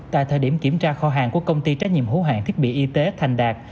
tại thời điểm kiểm tra kho hàng của công ty trách nhiệm hữu hạng thiết bị y tế thành đạt